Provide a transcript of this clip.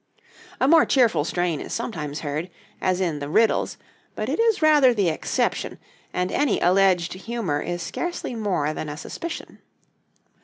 A more cheerful strain is sometimes heard, as in the 'Riddles,' but it is rather the exception; and any alleged humor is scarcely more than a suspicion.